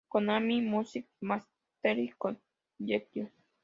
Konami Music Masterpiece Collection